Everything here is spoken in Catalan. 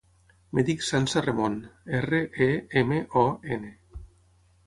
Em dic Sança Remon: erra, e, ema, o, ena.